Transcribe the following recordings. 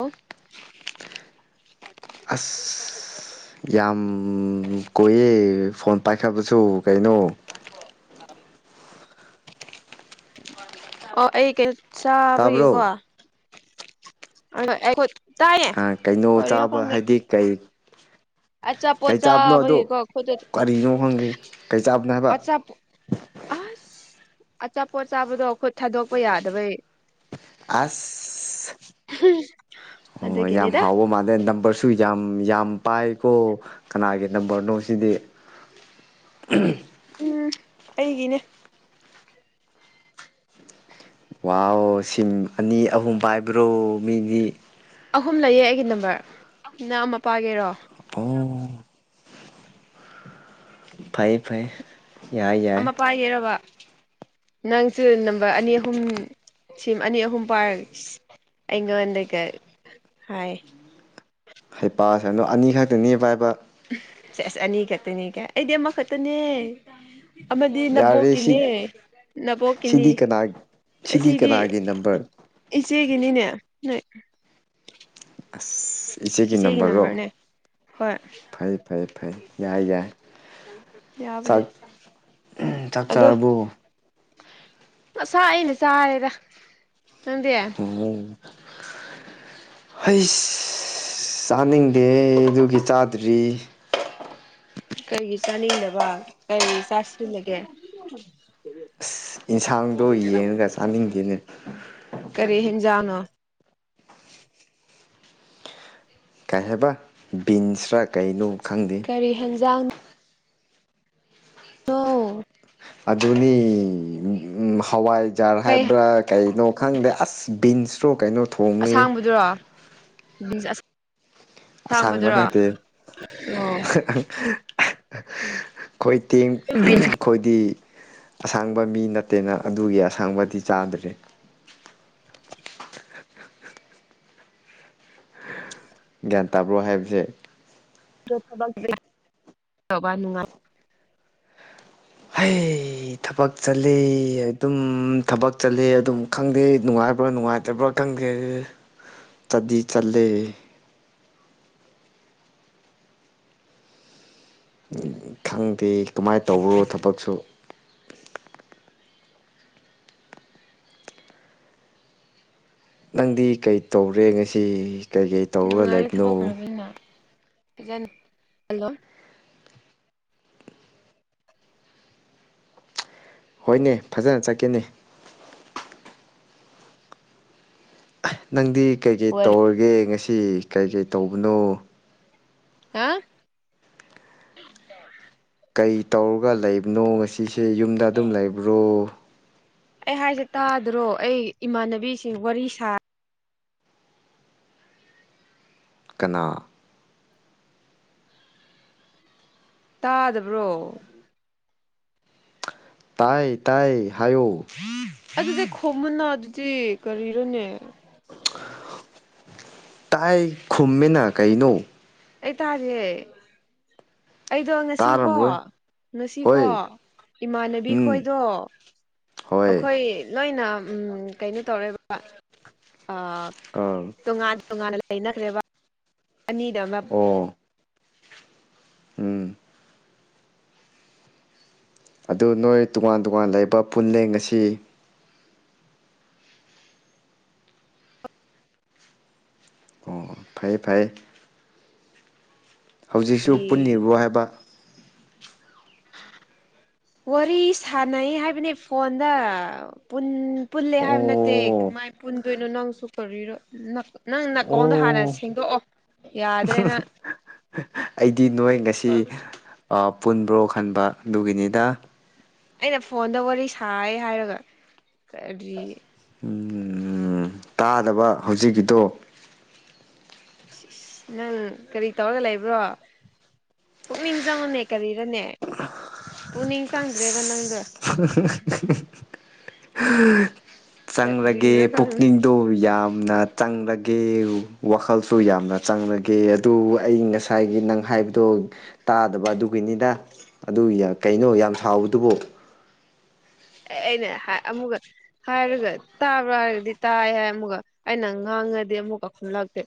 ꯑꯣ꯫ ꯑꯁ ꯌꯥꯝ ꯀꯨꯏꯌꯦ ꯐꯣꯟ ꯄꯥꯏꯈꯠꯄꯁꯨ ꯀꯩꯅꯣ꯫ ꯑꯣ ꯑꯩ ꯀꯩ [inaudible] ꯆꯥꯕꯒꯤꯀꯣ꯫ ꯇꯥꯕ꯭ꯔꯣ [inaudible] ꯈꯨꯠ ꯇꯥꯏꯌꯦ ꯑ ꯀꯩꯅꯣ ꯀꯔꯤꯔ ꯆꯥꯕ ꯈꯪꯗꯦ ꯍꯥꯏꯗꯤ ꯀꯩ꯫ ꯑꯆꯥꯄꯣꯠ ꯀꯩ ꯆꯥꯕꯅꯣ ꯑꯗꯨ ꯆꯥꯕꯒꯤꯀꯣ ꯈꯨꯠꯇ ꯀꯔꯤꯅꯣ ꯈꯪꯗꯦ ꯀꯩ ꯆꯥꯕꯅꯣ ꯍꯥꯏꯕ꯫ ꯑꯆꯥꯄꯣꯠ ꯑꯁ ꯑꯆꯥꯄꯣꯠ ꯆꯥꯕꯗꯣ ꯈꯨꯠ ꯊꯥꯗꯣꯛꯄ ꯌꯥꯗꯕꯩ꯫ ꯑꯁ꯫ [unintelligible] ꯑꯣ ꯌꯥꯝ ꯑꯗꯨꯒꯤꯅꯤꯗ ꯍꯥꯎꯕ ꯃꯥꯜꯂꯦ ꯅꯝꯕꯔꯁ ꯁꯨ ꯌꯥꯝ ꯌꯥꯝ ꯄꯥꯏꯀꯣ ꯀꯅꯥꯒꯤ ꯅꯝꯕꯔꯅꯣ ꯁꯤꯗꯤ꯫ [unintelligible] ꯎꯝ ꯑꯩꯒꯤꯅꯦ꯫ ꯋꯥꯎ ꯁꯤꯟ ꯑꯅꯤ ꯑꯍꯨꯝ ꯄꯥꯏꯕ꯭ꯔꯣ ꯃꯤꯗꯤ ꯑꯍꯨꯝ ꯂꯩꯌꯦ ꯑꯩꯒꯤ ꯅꯝꯕꯔ ꯅꯪ ꯑꯃꯥ ꯄꯥꯥꯏꯒꯦꯔꯣ [unintelligible] ꯐꯩ ꯐꯩ ꯌꯥꯏ ꯌꯥꯏ ꯑꯃꯥ ꯄꯥꯏꯒꯦꯔꯕ ꯅꯪꯁꯨ ꯅꯝꯕꯔ ꯑꯅꯤ ꯑꯍꯨꯝ ꯁꯤꯝ ꯑꯅꯤ ꯑꯍꯨꯝ ꯄꯥꯔ ꯑꯩꯉ‌ꯣꯟꯗꯒ ꯍꯥꯏ ꯍꯩꯄꯥ ꯁꯅ‌ꯣ ꯑꯅꯤꯈꯛ ꯇꯡꯅꯦ ꯄꯥꯏꯕ ꯁ‌ꯦꯁ ꯑꯅꯤ ꯈꯇꯅꯦ ꯀꯥ ꯑꯩꯗꯤ ꯑꯃꯥ ꯈꯇꯅꯦ ꯑꯃꯗꯤ ꯌꯥꯔꯦ ꯁꯤ ꯅꯕꯣꯛꯀꯤꯅꯦ ꯅꯕꯣꯛꯀꯤꯅꯤ ꯁꯤꯗꯤ ꯀꯅꯥ ꯁꯤꯗꯤ ꯑꯁꯤꯗꯤ ꯀꯅꯥꯒꯤ ꯅꯝꯕꯔ ꯏꯆꯦꯒꯤꯅꯤꯅꯦ ꯅꯣꯏ ꯑꯁ ꯏꯆꯦꯒꯤ ꯅꯝꯕꯔꯔꯣ ꯍꯣꯏ ꯐꯩ ꯐꯩ ꯐꯩ ꯌꯥ ꯌꯥ ꯌꯥꯕꯅꯦ ꯆꯥꯛ ꯑꯗꯣ ꯆꯥꯔꯕꯣ ꯉꯁꯥꯏꯅ ꯆꯥꯔꯦꯗ ꯅꯪꯗꯤ [unintelligible] ꯍꯩꯁ ꯆꯥꯅꯤꯡꯗꯦ ꯑꯗꯨꯒꯤ ꯆꯥꯗ꯭ꯔꯤ ꯀꯩꯒꯤ ꯆꯥꯅꯤꯡꯗꯕ ꯀꯔꯤ ꯆꯥꯁꯤꯜꯂꯒꯦ ꯏꯟꯁꯥꯡꯗꯣ ꯌꯦꯡꯉꯒ ꯆꯥꯅꯤꯡꯗ‌ꯦꯅꯦ ꯀꯔꯤ ꯍꯦꯟꯖꯥꯡꯅꯣ ꯀꯥꯏ ꯍꯥꯏꯕ ꯕꯤꯟꯁ꯭ꯔꯥ ꯀꯩꯅꯣ ꯈꯪꯗꯦ ꯀ꯭ꯔꯤ ꯍꯦꯟꯖꯥꯡ [unintelligible] ꯑꯗꯨꯅꯤ ꯎꯝ ꯍꯋꯥꯏꯖꯥꯔ ꯀꯩ ꯍꯥꯏꯕ꯭ꯔꯥ ꯀꯩꯅꯣ ꯈꯪꯗꯦ ꯑꯁ ꯕꯤꯟꯁꯔꯣ ꯀꯩꯅꯣ ꯊꯣꯡꯉꯤ ꯑꯁꯥꯡꯕꯗꯨꯔꯣ ꯕꯤꯟꯁ ꯑꯁ ꯑꯁꯥꯡꯕ ꯅꯠꯇꯦ ꯈꯣꯏ ꯇꯦꯡ ꯕꯤꯟꯁ ꯈꯣꯏꯗꯤ ꯑꯁꯥꯡꯕ ꯃꯤ ꯅꯠꯇꯦꯅ ꯑꯗꯨꯒꯤ ꯑꯁꯥꯡꯕꯗꯤ ꯆꯥꯗ꯭ꯔꯦ ꯒ꯭ꯌꯥꯟ ꯇꯥꯕ꯭ꯔꯣ ꯍꯥꯏꯕꯁꯦ [unintelligible] ꯇꯧꯕ ꯅꯨꯉꯥꯏ ꯍꯩ ꯑꯩ ꯊꯕꯛ ꯆꯠꯂ‌ꯦ ꯑꯗꯨꯝ ꯊꯕꯛ ꯆꯠꯂ‌ꯦ ꯑꯗꯨꯝ ꯈꯪꯗꯦ ꯅꯨꯉꯥꯏꯕ꯭ꯔꯥ ꯅꯨꯉꯥꯏꯇꯕ꯭ꯔꯥ ꯇꯪꯗ‌ꯦ ꯆꯗꯤ ꯆꯂꯦ ꯈꯪꯗꯦ ꯀꯃꯥꯏ ꯇꯧꯕꯔꯣ ꯊꯕꯛꯁꯨ ꯅꯪꯗꯤ ꯀꯩ ꯇꯧꯔꯦ ꯉꯁꯤ ꯀꯩ ꯀꯩ ꯇꯧꯔꯒ ꯂꯩꯕꯅꯣ ꯄꯤꯖꯟ ꯍꯜꯂꯣ ꯍꯣꯏꯅꯦ ꯐꯖꯅ ꯆꯠꯀꯦꯅꯦ ꯅꯪꯗꯤ ꯀꯩꯀꯩ ꯋꯥꯔꯤ ꯇꯧꯔꯒꯦ ꯉꯁꯤ ꯀꯩ ꯀꯩ ꯇꯧꯕꯅꯣ ꯍꯥ ꯀꯩ ꯇꯧꯔꯒ ꯂꯩꯕꯅꯣ ꯉꯁꯤꯁꯦ ꯌꯨꯝꯗ ꯑꯗꯨꯝ ꯂꯩꯕ꯭ꯔꯣ ꯑꯩ ꯍꯥꯏꯖ‌ꯦ ꯇꯥꯗ꯭ꯔꯣ ꯑꯩ ꯏꯃꯥꯟꯅꯕꯤꯁꯤꯡ ꯋꯥꯔꯤ ꯁꯥ ꯀꯅꯥ ꯇꯥꯗꯕ꯭ꯔꯣ ꯇꯥꯏ ꯇꯥꯏ ꯍꯥꯏꯌꯣ ꯑꯗꯨꯗꯤ ꯈꯨꯝꯃꯨꯅꯥ ꯑꯗꯨꯗꯤ ꯀꯔꯤꯔꯣꯅꯦ ꯇꯥꯏ ꯈꯨꯝꯃꯤꯅ ꯀꯩꯅꯣ ꯑꯩ ꯇꯥꯗꯤꯍꯦ ꯑꯩꯗꯣ ꯉꯁꯤꯀꯣ ꯇꯥꯔꯝꯔꯣꯏ ꯉꯁꯤꯀꯣ ꯍꯣꯏ ꯏꯃꯥꯟꯅꯕꯤ ꯎꯝ ꯈꯣꯏꯗꯣ ꯍꯣꯏ ꯑꯩꯈꯣꯏ ꯂꯣꯏꯅ ꯀꯩꯅꯣ ꯇꯧꯔꯦꯕ ꯀꯜ ꯇꯣꯉꯥꯟ ꯇꯣꯉꯥꯟꯅ ꯂꯩꯅꯈ꯭ꯔꯦꯕ ꯑꯅꯤꯗ ꯑꯃ ꯑꯣ ꯎꯝ ꯑꯗꯨ ꯅꯣꯏ ꯇꯣꯉꯥꯟ ꯇꯣꯉꯥꯟ ꯂꯩꯕ ꯄꯨꯂꯦ ꯉꯥꯁꯤ ꯑꯣ ꯐꯩꯌꯦ ꯐꯩꯌꯦ ꯍꯧꯖꯤꯛꯁꯨ ꯄꯨꯟꯅꯤꯕ꯭ꯔꯣ ꯍꯥꯏꯕ ꯋꯥꯔꯤ ꯁꯥꯟꯅꯩ ꯍꯥꯏꯕꯅꯤ ꯐꯣꯟꯗ ꯄꯨꯟ ꯄꯨꯜꯂꯦ ꯍꯥꯏꯕ ꯅꯠꯇꯦ ꯑꯣ ꯀꯃꯥꯏ ꯄꯨꯟꯗꯣꯏꯅꯣ ꯅꯪꯁꯨ ꯀꯧꯔꯤꯔꯣ ꯅꯪ ꯑꯣ ꯅꯥꯀꯣꯎꯟꯗꯣ ꯍꯥꯟꯅ ꯁꯦꯡꯗꯣꯛꯑꯣ ꯌꯥꯗ꯭ꯔꯦ ꯅꯪ ꯑꯩꯗꯤ ꯅꯣꯏ ꯉꯁꯤ ꯑ ꯄꯨꯟꯕ꯭ꯔꯣ ꯈꯟꯕ ꯑꯗꯨꯒꯤꯅꯤꯗ ꯑꯩꯅ ꯐꯣꯟꯗ ꯋꯥꯔꯤ ꯁꯥꯏ ꯍꯥꯏꯔꯒ ꯀꯔꯤ ꯇꯥꯅꯕ ꯍꯧꯖꯤꯛꯀꯤꯗꯣ ꯅꯪ ꯀꯔꯤ ꯇꯧꯔꯒ ꯂꯩꯕ꯭ꯔꯣ ꯄꯨꯛꯅꯤꯡ ꯆꯪꯉꯨꯅꯦ ꯀꯔꯤꯔꯅꯦ ꯄꯨꯛꯅꯤꯡ ꯆꯪꯗ꯭ꯔꯦꯕ ꯅꯪꯗꯣ [unintelligible] ꯆꯪꯂꯒꯦ ꯀꯔꯤꯔ ꯈꯪ ꯄꯨꯛꯅꯤꯡꯗꯣ ꯌꯥꯝ ꯌꯥꯝꯅ ꯆꯪꯂꯒꯦ ꯋꯥꯈꯜꯁꯨ ꯌꯥꯝꯅ ꯆꯪꯂꯒꯦ ꯑꯗꯨ ꯑꯩ ꯉꯁꯥꯏ ꯉꯁꯥꯏꯒꯤ ꯅꯪ ꯍꯥꯏꯕꯗꯣ ꯇꯥꯗꯕ ꯑꯗꯨꯒꯤꯅꯤꯗ ꯑꯗꯨ ꯌꯥꯝ ꯀꯩꯅꯣ ꯌꯥꯝ ꯁꯥꯎꯕꯗꯨꯕꯣ ꯑꯦ ꯑꯩꯅ ꯍꯥꯏ ꯑꯃꯨꯛꯀ ꯍꯥꯏꯔꯒ ꯇꯥꯕ꯭ꯔꯥ ꯍꯥꯏꯔꯒꯗꯤ ꯇꯥꯏ ꯍꯥꯏ ꯑꯃꯨꯛꯀ ꯑꯩꯅ ꯉꯥꯡꯉꯗꯤ ꯑꯃꯨꯛꯀ ꯈꯨꯝꯂꯛꯇꯦ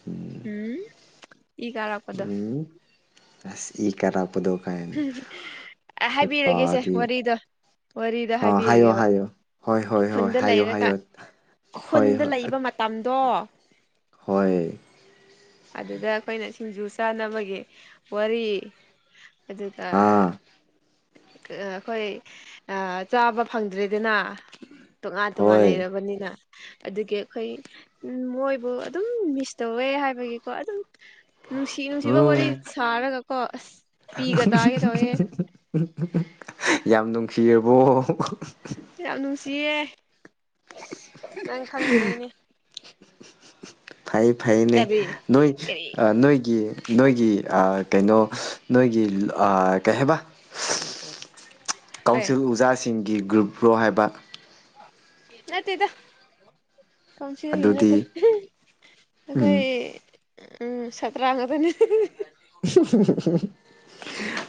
[unintelligible] ꯎꯝ ꯏ ꯀꯔꯛ ꯎꯝ ꯑꯁ ꯏ ꯀꯔꯄꯗꯣ ꯀꯥꯏꯅ ꯍꯩ ꯍꯥꯏꯕꯤꯔꯒꯦꯁꯦ ꯄꯗꯤ ꯋꯥꯔꯤꯗꯣ ꯋꯥꯔꯤꯗꯣ ꯑ ꯍꯥꯏꯑꯣ ꯍꯥꯏꯕꯤꯔꯒꯦꯕ ꯍꯥꯏꯑꯣ ꯍꯣꯏ ꯍꯣꯏ ꯍ ꯈꯨꯟꯗ ꯍꯥꯏꯑꯣ ꯍꯥꯏꯑꯣ ꯍ ꯍ ꯂꯩꯏꯕ ꯃꯇꯝꯗꯣ ꯍꯣꯏ ꯑꯗꯨꯗ ꯑꯩꯈꯣꯏꯅ ꯁꯤꯡꯖꯨ ꯆꯥꯅꯕꯒꯤ ꯋꯥꯔꯤ ꯑꯗꯨꯒ ꯑꯥ ꯑ ꯑꯩꯈꯣꯏ ꯆꯥꯕ ꯐꯪꯗ꯭ꯔꯦꯗꯅ ꯇꯣꯉꯥꯟ ꯇꯣꯉꯥꯟ ꯍꯣꯏ ꯂꯩꯔꯕꯅꯤꯅ ꯑꯗꯨꯒꯤ ꯑꯩꯈꯣꯏ ꯎ ꯃꯣꯏꯕꯨ ꯑꯗꯨꯝ ꯃꯤꯁ ꯇꯧꯋꯦ ꯍꯥꯏꯕꯒꯤ ꯀꯣ ꯑꯗꯨꯝ ꯅꯨꯡꯁꯤ ꯅꯨꯡꯁꯤꯕ ꯋꯥꯔꯤ ꯍꯨꯝ ꯁꯥꯔꯒ ꯀꯣ ꯑꯁ ꯄꯤꯒ ꯇꯥꯒꯦ ꯇꯧꯋꯦ ꯌꯥꯝ ꯅꯨꯡꯁꯤꯔꯕꯣ ꯌꯥꯝ ꯅꯨꯡꯁꯤꯌꯦ ꯑꯁ ꯅꯪ ꯈꯪꯗꯕꯩꯅꯦ ꯐꯩ ꯐꯩꯅꯦ ꯀꯔꯤ ꯅꯣꯏ ꯀꯔꯤ ꯑ ꯅꯣꯏꯒꯤ ꯅꯣꯏꯒꯤ ꯑ ꯀꯩꯅꯣ ꯅꯣꯏꯒꯤ ꯀꯩ ꯍꯥꯏꯕ ꯑꯦ ꯀꯥꯎꯟꯁꯤꯜ ꯑꯣꯖꯥꯁꯤꯡꯒꯤ ꯒ꯭ꯔꯨꯞ ꯔꯣ ꯍꯥꯏꯕ ꯅꯠꯇꯦꯗ ꯀꯥꯎꯁꯤꯜꯒꯤ ꯅꯠꯇꯦ ꯑꯗꯨꯗꯤ ꯑꯩꯈꯣꯏ ꯎꯝ ꯎꯝ ꯁꯠꯇ꯭ꯔꯥꯡ ꯉꯥꯛꯇꯅꯦ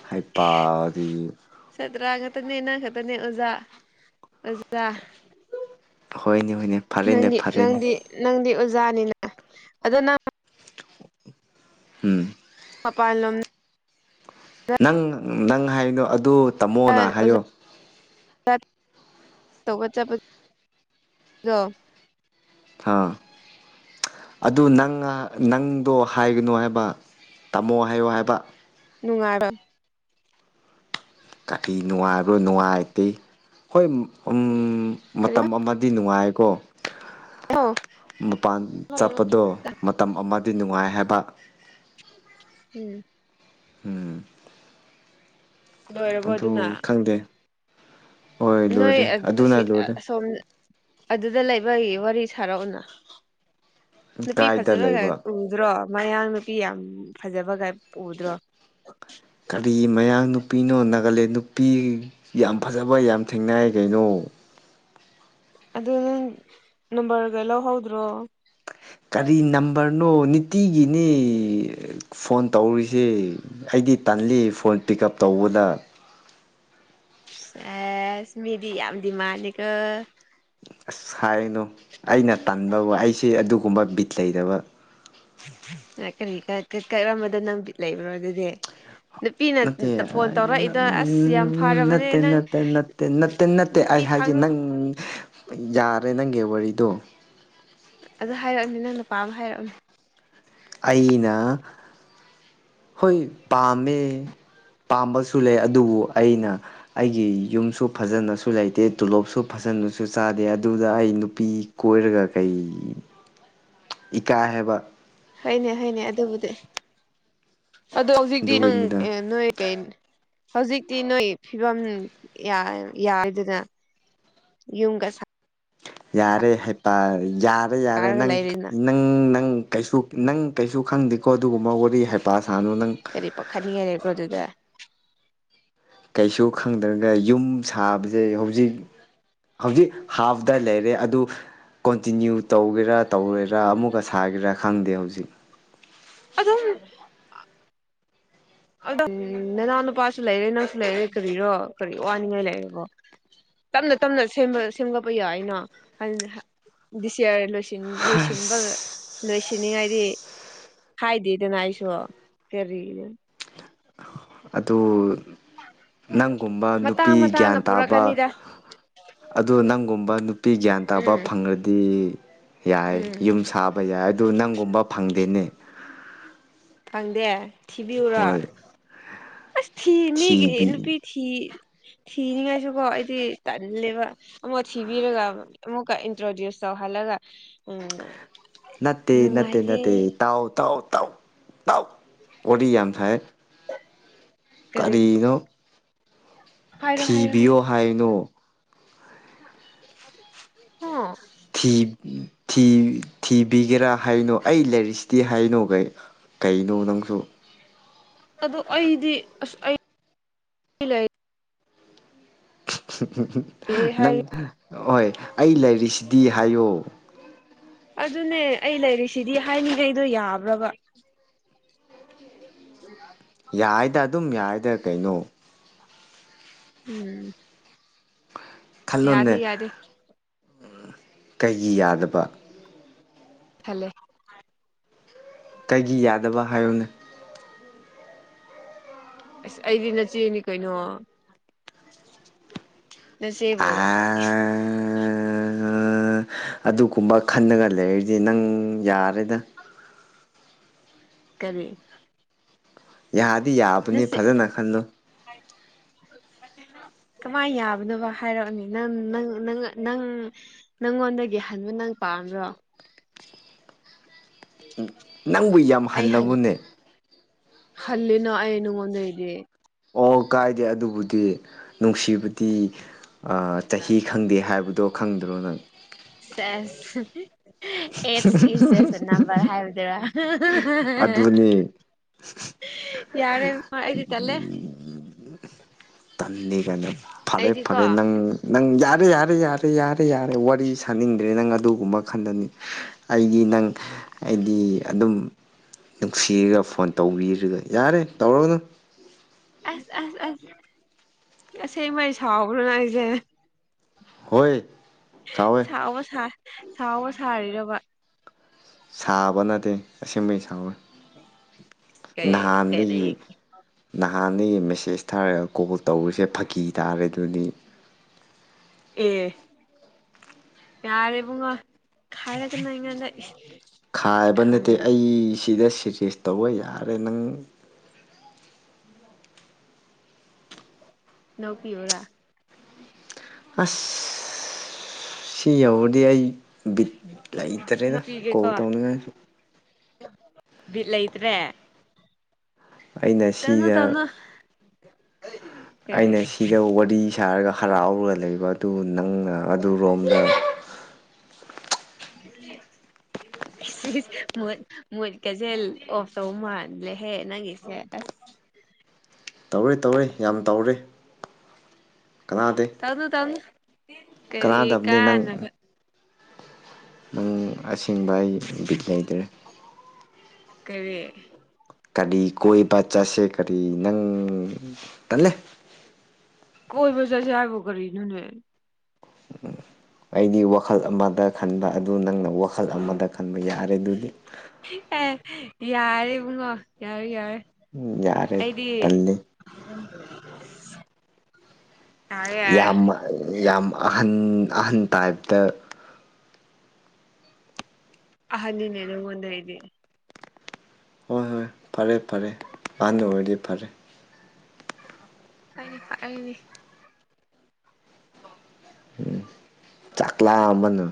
ꯍꯩꯄꯥꯗꯤ ꯁꯠꯇ꯭ꯔꯥ ꯈꯛꯇꯅꯦ ꯅꯪ ꯈꯛꯇꯅꯦ ꯑꯣꯖꯥ ꯑꯣꯖꯥ ꯍꯣꯏꯅꯦ ꯍꯣꯏꯅꯦ ꯐꯔꯦꯅꯦ ꯅꯪꯗꯤ ꯐꯔꯦꯅꯦ ꯅꯪꯗꯤ ꯅꯪꯗꯤ ꯑꯣꯖꯥꯅꯤꯅ ꯑꯗꯣ ꯅꯪ ꯎꯝ ꯃꯄꯥꯥꯜꯂꯣꯝ ꯅꯪ ꯅꯪ ꯍꯥꯏꯅꯣ ꯑꯗꯨ ꯇꯝꯃꯣꯅ ꯑꯣꯖꯥ ꯍꯥꯏꯌꯣ ꯇꯧꯕ ꯆꯠꯄꯗꯣ ꯊꯥ ꯑꯗꯨ ꯅꯪ ꯅꯪꯗꯣ ꯍꯥꯏꯒꯅꯨ ꯍꯥꯏꯕ ꯇꯝꯃꯣ ꯍꯥꯏꯌꯣ ꯍꯥꯏꯕ ꯅꯨꯡꯉꯥꯏꯔ ꯀꯔꯤ ꯅꯨꯡꯉꯥꯏꯕꯔꯣ ꯅꯨꯡꯉꯥꯏꯇꯦ ꯍꯣꯏ ꯎꯝ ꯀꯔꯤ ꯃꯇꯝ ꯑꯃꯗꯤ ꯅꯨꯡꯉꯥꯏꯀꯣ ꯃꯄꯥꯟ ꯆꯠꯄꯗꯣ ꯃꯇꯝ ꯑꯃꯗꯤ ꯅꯨꯡꯉꯥꯏ ꯍꯥꯏꯕ ꯎꯝ ꯎꯝ ꯂꯣꯏꯔꯕꯣ ꯑꯗꯨ ꯑꯗꯨꯅ ꯈꯪꯗꯦ ꯍꯣꯏ ꯅꯣꯏ ꯂꯣꯏꯔꯦ ꯑꯁꯤ ꯑꯗꯨꯅ ꯂꯣꯏꯔꯦ ꯑꯁꯣꯝꯗ ꯑꯗꯨꯗ ꯂꯩꯕꯒꯤ ꯋꯥꯔꯤ ꯁꯥꯔꯛꯎꯅ ꯅꯨꯄꯤ ꯀꯥꯏꯗ ꯐꯖꯕꯒ ꯂꯩꯕ ꯎꯗ꯭ꯔꯣ ꯃꯌꯥꯡ ꯅꯨꯄꯤ ꯌꯥꯝ ꯐꯖꯕꯒꯥꯏ ꯎꯗꯔꯣ ꯀꯔꯤ ꯃꯌꯥꯡ ꯅꯨꯄꯤꯅꯣ ꯅꯥꯒꯥꯂꯦꯟ ꯅꯨꯄꯤ ꯌꯥꯝ ꯐꯖꯕ ꯌꯥꯝ ꯊꯦꯡꯅꯩ ꯀꯩꯅꯣ ꯑꯗꯨ ꯅꯪ ꯅꯝꯕꯔꯒ ꯂꯧꯍꯧꯗ꯭ꯔꯣ ꯀꯔꯤ ꯅꯝꯕꯔꯅꯣ ꯅꯤꯇꯤꯒꯤꯅꯦ ꯐꯣꯟ ꯇꯧꯔꯤꯁꯤ ꯑꯩꯗꯤ ꯇꯜꯂꯤ ꯐꯣꯟ ꯄꯤꯛ ꯎꯞ ꯇꯧꯕꯗ ꯑꯦꯁ ꯃꯦꯗꯤ ꯌꯥꯝ ꯗꯤꯃꯥꯟꯅꯤꯀꯣ ꯑꯁ ꯍꯥꯏꯅꯨ ꯑꯩꯅ ꯇꯟꯕ ꯋꯥꯍꯩꯁꯦ ꯑꯗꯨꯒꯨꯝꯕ ꯕꯤꯠ ꯂꯩꯇꯕ ꯀꯔꯤ ꯀꯔꯝꯕꯗ ꯅꯪ ꯕꯤꯠ ꯂꯩꯕ꯭ꯔꯣ ꯑꯗꯨꯗꯤ ꯅꯨꯄꯤꯅ ꯅꯠꯇꯦ ꯐꯣꯟ ꯎꯝ ꯇꯧꯔꯛꯏꯗꯣ ꯑꯁ ꯌꯥꯝ ꯐꯔꯕꯅꯦ ꯅꯠꯇꯦ ꯅꯪ ꯅꯠꯇꯦ ꯅꯠꯇꯦ ꯅꯠ ꯇꯦ ꯅꯠꯇꯦ ꯑꯩ ꯅꯨꯄꯤ ꯍꯥꯏꯒꯦ ꯐꯥꯡꯉꯣꯏ ꯅꯪ ꯌꯥꯔꯦ ꯅꯪꯒꯤ ꯋꯥꯔꯤꯗꯣ ꯑꯗꯨ ꯍꯥꯏꯔꯛꯑꯣꯅꯦ ꯅꯪꯅ ꯄꯥꯃ ꯍꯥꯏꯔꯛꯑꯣꯅꯦ ꯑꯩꯅ ꯍꯣꯏ ꯄꯥꯝꯃꯦ ꯄꯥꯝꯕꯁꯨ ꯂꯩ ꯑꯗꯨꯕꯨ ꯑꯩꯅ ꯑꯩꯒꯤ ꯌꯨꯝꯁꯨ ꯐꯖꯅꯁꯨ ꯂꯩꯇꯦ ꯇꯣꯂꯣꯞꯁꯨ ꯐꯖꯅꯁꯨ ꯆꯥꯗꯦ ꯑꯗꯨꯗ ꯑꯩ ꯅꯨꯄꯤ ꯀꯣꯏꯔꯒ ꯀꯩ ꯏꯀꯥꯏ ꯍꯥꯏꯕ ꯍꯣꯏꯅꯦ ꯍꯣꯏꯅꯦ ꯑꯗꯨꯕꯨꯗꯤ ꯑꯗꯣ ꯍꯧꯖꯤꯛꯇꯤ ꯅꯪ ꯑꯗꯨꯒꯤꯅꯤꯗ ꯅꯣꯏ ꯀꯩ ꯍꯧꯖꯤꯛꯇꯤ ꯅꯣꯏ ꯐꯤꯕꯝ ꯌꯥꯏ ꯌꯥꯏꯗꯅ ꯌꯨꯝꯒ ꯁꯥ ꯌꯥꯔꯦ ꯍꯩꯄꯥ ꯌꯥꯔꯦ ꯌꯥꯔꯦ ꯁꯥꯔꯒ ꯅꯪ ꯂꯩꯔꯤꯅ ꯅꯪ ꯅꯪ ꯀꯩꯁꯨ ꯅꯪ ꯀꯩꯁꯨ ꯈꯪꯗꯦꯀꯣ ꯑꯗꯨꯒꯨꯝꯕ ꯋꯥꯔꯤ ꯍꯩꯄꯥ ꯁꯥꯥꯅꯨ ꯅꯪ ꯈꯟꯅꯤꯡꯉꯥꯏ ꯂꯩꯕꯔꯣ ꯑꯗꯨꯗ ꯀꯩꯁꯨ ꯈꯪꯗ꯭ꯔꯒ ꯌꯨꯝ ꯁꯥꯕꯁꯦ ꯍꯧꯖꯤꯛ ꯍꯧꯖꯤꯛ ꯍꯥꯐꯇ ꯂꯩꯔꯦ ꯑꯗꯨ ꯀꯣꯟꯇꯤꯅꯤꯌꯨ ꯇꯧꯒꯦꯔꯥ ꯇꯧꯔꯣꯏꯔꯥ ꯑꯃꯨꯛꯀ ꯁꯥꯒꯦꯔꯥ ꯈꯪꯗꯦ ꯍꯧꯖꯤꯛ ꯑꯗꯨꯝ ꯑꯗ‌ꯣ ꯎꯝ ꯅꯅꯥꯎ ꯅꯨꯄꯥꯁꯨ ꯂꯩꯔꯦ ꯅꯪꯁꯨ ꯂꯩꯔꯦ ꯀꯔꯤꯔꯣ ꯀꯔꯤ ꯋꯥꯅꯤꯡꯉꯥꯏ ꯂꯩꯔꯕꯣ ꯇꯞꯅ ꯇꯞꯅ ꯁꯦꯝ ꯁ‌ꯦꯝꯒꯠꯄꯥ ꯌꯥꯏꯅꯥ [unintelligible] ꯗꯤꯁꯌꯥꯔ ꯂ‌ꯣꯏꯁ ꯂꯣꯏꯁꯤꯟꯕꯥ ꯂꯣꯏꯁꯤꯅꯤꯡꯉꯥꯏꯗꯤ ꯑꯁ ꯍꯥꯏꯗꯦꯗꯅ ꯑꯩꯁꯨ ꯀꯔꯤ ꯑꯗꯨ ꯅꯪꯒꯨꯝꯕ ꯃꯇꯥꯡ ꯅꯨꯄꯤ ꯒ꯭ꯌꯥꯟ ꯃꯇꯥꯡꯅ ꯇꯥꯕ ꯄꯨꯔꯛꯀꯅꯤꯗ ꯑꯗꯨ ꯅꯪꯒꯨꯝꯕ ꯅꯨꯄꯤ ꯒ꯭ꯌꯥꯟ ꯇꯥꯕ ꯎꯝ ꯐꯪꯔꯗꯤ ꯌꯥꯏ ꯎꯝ ꯌꯨꯝ ꯁꯥ ꯕ ꯌꯥꯏ ꯑꯗꯨ ꯅꯪꯒꯨꯝꯕꯥ ꯐꯪꯗꯦꯅꯦ ꯐꯪꯗꯦ ꯊꯤꯕꯤꯌꯨꯔꯣ ꯍꯣꯏ ꯑꯁ ꯊꯤ ꯃꯤꯒꯤ ꯊꯤꯕꯤ ꯅꯨꯄꯤ ꯊꯤ ꯊꯤꯅꯤꯡꯉꯥꯏꯁꯨꯀꯣ ꯑꯩꯗꯤ ꯇꯜꯂꯦꯕ ꯑꯃꯨꯛ ꯊꯤꯕꯤꯔꯒ ꯑꯃꯨꯛꯀ ꯏꯟꯇ꯭ꯔꯗ꯭ꯌꯨꯁ ꯇꯧꯍꯜꯂꯒ ꯎꯝ ꯅꯠꯇꯦ ꯅꯠꯇꯦ ꯅꯨꯡꯉꯥꯏꯇꯦ ꯅꯠꯇꯦ ꯇꯥꯎ ꯇꯥꯎ ꯇꯥꯎ ꯇꯥꯎ ꯋꯥꯔꯤ ꯌꯥꯝ ꯁꯥꯏ [inaudible] ꯀꯔꯤ ꯀꯔꯤꯅꯣ ꯍꯥꯏꯔꯣ ꯍꯥꯏꯔꯣ ꯊꯤꯕꯤꯌꯣ ꯍꯥꯏꯅꯣ [unintelligible] ꯍꯥ ꯊꯤ ꯎꯝ ꯊꯤ ꯊꯤꯕꯤꯒꯦꯔꯥ ꯍꯥꯏꯅꯣ ꯑꯩ ꯂꯩꯔꯤꯁꯤꯗꯤ ꯍꯥꯏꯅꯣ [unintelligible] ꯀꯩꯅꯣ ꯅꯪꯁꯨ ꯑꯗꯣ ꯑꯩꯗꯤ ꯑꯁ ꯑꯩ ꯂꯩꯔꯤ ꯍꯥꯏ ꯅꯪ ꯑꯣꯏ ꯑꯩ ꯂꯩꯔꯤꯁꯤꯗꯤ ꯍꯥꯏꯌꯣ ꯑꯗꯨꯅꯦ ꯑꯩ ꯂꯩꯔꯤꯁꯤꯗꯤ ꯍꯥꯏꯅꯤꯉꯩꯗꯣ ꯌꯥꯕ꯭ꯔꯕꯥ [unintelligible] ꯌꯥꯏꯗ ꯑꯗꯨꯝ ꯌꯥꯏꯗ ꯀꯩꯅꯣ ꯎꯝ ꯌꯥꯗꯤ ꯈꯜꯂꯣꯅꯦ ꯌꯥꯗꯦ ꯀꯩꯒꯤ ꯌꯥꯗꯕ ꯊꯜꯂꯦ ꯀꯩꯒꯤ ꯌꯥꯗꯕ ꯍꯥꯏꯌꯨꯟ ꯑꯁ ꯑꯩꯗꯤ ꯅꯆꯦꯅꯤ ꯀꯩꯅꯣ ꯅꯆ‌ꯦꯕꯨ ꯏꯁ ꯑ ꯑꯗꯨꯒꯨꯝꯕ ꯈꯟꯂꯒ ꯂꯩꯔꯗꯤ ꯅꯪ ꯌꯥꯔꯦꯗ ꯀꯔꯤ ꯌꯥꯗꯤ ꯌꯥꯕꯅꯤ ꯅꯆꯦ ꯐꯖꯅ ꯈꯜꯂꯨ [inaudible] ꯀꯃꯥꯏ ꯌꯥꯕꯅꯣꯕ ꯍꯥꯏꯔ‌ꯑꯣꯅ‌ꯦ ꯅꯪ ꯅꯪ ꯅꯪ ꯅꯪ ꯅꯪꯉꯣꯟꯗꯒꯤ ꯍꯟꯕ ꯅꯪ ꯄꯥꯝꯕ꯭ꯔꯣ ꯅꯪꯕꯨ ꯌꯥꯝ ꯍꯜꯂꯕ‌ꯣꯅꯦ ꯍꯜꯂꯤꯅꯥ ꯑꯩ ꯅꯉ‌ꯣꯟꯗꯩꯗꯤ ꯑꯣ ꯀꯥꯏꯗꯦ ꯑꯗꯨꯕꯨꯗꯤ ꯅꯨꯡꯁꯤꯕꯗꯤ ꯑꯥ ꯆꯍꯤ ꯈꯪꯗꯦ ꯍꯥꯏꯕꯗꯣ ꯈꯪꯗ꯭ꯔꯣ ꯅꯪ ꯁ‌ꯦꯁ ꯑꯦꯠꯁ ꯏꯁ ꯖꯁ ꯑꯥ ꯅꯝꯕꯔ ꯍꯥꯏꯕꯗꯨꯔꯥ ꯑꯗꯨꯅꯤ ꯌꯥꯔꯦ ꯃꯥ ꯑꯩꯗꯤ ꯇꯜꯂꯦ ꯇꯟꯅꯤꯒꯅꯨ ꯐꯔꯦ ꯑꯩꯗꯤꯀꯣ ꯐꯔꯦ ꯅꯪ ꯅꯪ ꯌꯥꯔꯦ ꯌꯥꯔꯦ ꯌꯥ ꯔꯦ ꯌꯥꯔꯦ ꯋꯥꯔꯤ ꯁꯥꯅꯤꯡꯗ꯭ꯔꯦ ꯅꯪ ꯑꯗꯨꯒꯨꯝꯕ ꯈꯟꯗꯅꯤ ꯑꯩ ꯗꯤ ꯅꯪ ꯑꯩꯗꯤ ꯑꯗꯨꯝ ꯅꯨꯡꯁꯤꯔ ꯐꯣꯟ ꯇꯧꯕꯤꯔꯒ ꯌꯥꯔꯦ ꯇꯧꯔꯅꯨ ꯑꯁ ꯑꯁ ꯑꯁ ꯉꯁꯦꯡꯃꯩ ꯁꯥꯎꯕ꯭ꯔꯣ ꯍꯥꯏꯖꯦ ꯍꯣꯏ ꯁꯥꯎꯌꯦ ꯁꯥꯎꯕ ꯁꯥ ꯁꯥꯎꯕ ꯁꯥꯔꯤꯔꯕ ꯁꯥꯕ ꯅꯠꯇꯦ ꯑꯁꯦꯡꯕꯩ ꯁꯥꯎꯌꯦ ꯀꯩ ꯀꯔꯤ ꯅꯍꯥꯟꯗꯒꯤ ꯅꯍꯥꯟꯗꯒꯤ ꯃꯦꯁꯦꯖ ꯊꯥꯔ ꯀꯣꯜ ꯇꯧꯕꯁꯦ ꯐꯥꯒꯤ ꯇꯥꯔꯦ ꯑꯗꯨꯅꯤ ꯑꯦ ꯌꯥꯔꯦꯕꯨꯡꯉꯣ ꯈꯥꯏꯕ ꯌꯥꯝ ꯅꯠꯇꯦ ꯑꯩꯁꯤꯗ ꯁꯤꯁꯦꯁ ꯇꯧꯕ ꯌꯥꯔꯦ ꯅꯪ ꯅꯣꯛꯄꯤꯎꯔ ꯑꯁ ꯁꯤꯌꯧꯔꯗꯤ ꯑꯩ ꯕꯤꯠ ꯂꯩꯇ꯭ꯔꯦꯗ ꯀꯣꯜ ꯅꯣꯛꯄꯤꯒꯦꯀꯣ ꯇꯧꯅꯤꯡꯉꯥꯏꯁꯨ ꯕꯤꯠ ꯂꯩꯇ꯭ꯔꯦ ꯑꯩꯅ ꯇꯟꯅꯣ ꯁꯤꯗ ꯇꯟꯅꯣ ꯑꯩꯅ ꯁꯤꯗ ꯋꯥꯔꯤ ꯁꯥꯔꯒ ꯍꯔꯥꯎꯔ ꯂꯩꯕ ꯑꯗꯨ ꯅꯪꯅ ꯑꯗꯨꯔꯣꯝꯗ [inaudible] [unintelligible] ꯁꯤꯏꯁ ꯃꯨꯠ ꯃꯨꯠꯀꯖꯦ ꯑꯣꯐ ꯇꯧ ꯃꯥꯜꯂꯦꯍꯦ ꯅꯪꯒꯤꯁꯦ ꯑꯁ ꯇꯧꯔꯦ ꯇꯧꯔꯦ ꯌꯥꯝ ꯇꯧꯔꯦ ꯀꯅꯥꯗꯦ ꯇꯧꯅꯨ ꯇꯧꯅꯨ ꯀꯔꯤ ꯀꯅꯥꯗꯕꯅꯦ ꯅꯪ ꯀꯥꯟꯅꯕ ꯪ ꯅꯪ ꯑꯁꯤꯡꯕ ꯑꯩ ꯕꯤꯠ ꯂꯩꯇ꯭ꯔꯦ ꯀꯔꯤ ꯀꯔꯤ ꯀꯣꯏꯕ ꯆꯠꯁꯦ ꯀꯔꯤ ꯅꯪ ꯇꯜꯂꯦ ꯀꯣꯏꯕ ꯆꯠꯁꯦ ꯍꯥꯏꯕꯨ ꯀꯔꯤꯅꯣꯅꯦ ꯎꯝ ꯑꯩꯗꯤ ꯋꯥꯈꯜ ꯑꯃꯗ ꯈꯟꯕ ꯑꯗꯨ ꯅꯪꯅ ꯋꯥꯈꯜ ꯑꯃꯗ ꯈꯟꯕ ꯌꯥ ꯔꯦ ꯗꯨꯗꯤ ꯑꯦ ꯌꯥꯔꯦꯏꯕꯨꯨꯡꯉꯣ ꯌꯥꯔꯦ ꯌꯥꯔꯦ ꯎꯝ ꯌꯥꯔꯦ ꯑꯩꯗꯤ ꯇꯜꯂꯦ [unintelligible] ꯌꯥꯔꯦ ꯌꯥꯔꯦ ꯌꯥꯝꯃ ꯌꯥꯝ ꯑꯍꯟ ꯑꯍꯟ ꯇꯥꯏꯞꯇ ꯑꯍꯜꯅꯤꯅꯦ ꯅꯪꯉꯣꯜꯗꯩꯗꯤ ꯍꯣꯏ ꯍꯣꯏ ꯐꯔꯦ ꯐꯔꯦ ꯑꯍꯜ ꯑꯣꯏꯔꯗꯤ ꯐꯔꯦ [unintelligible] ꯑꯩꯅꯤ ꯎꯝ ꯆꯥꯛ ꯂꯥꯝꯕꯅ‌